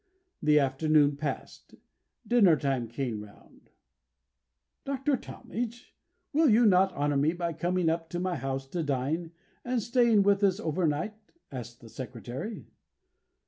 The afternoon passed. Dinner time came round. "Dr. Talmage, will you not honour me by coming up to my house to dine, and staying with us over night?" asked the Secretary.